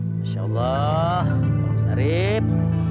masya allah bang sharif